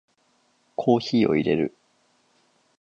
コーヒーを淹れる